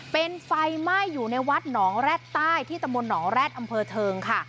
เป็นไฟไหม้อยู่ในวัดนแร้แต้ที่ตะมรนแร้ตอำเภอเทิงค่ะ